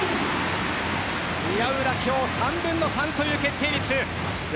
宮浦、今日３分の３の決定率。